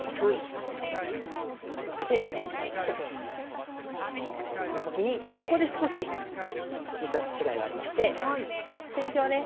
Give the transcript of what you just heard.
そして４五歩と進んだ時にここで少し実は違いがありまして先手はね